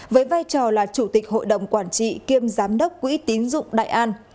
với vai trò là chủ tịch hội đồng quản trị kiêm giám đốc quỹ tín dụng đại an